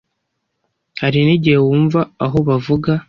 hari n’igihe wumva aho bavuga